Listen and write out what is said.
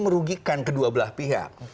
merugikan kedua belah pihak